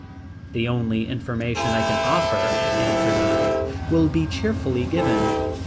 "The only information I can offer," answered I, "will be cheerfully given.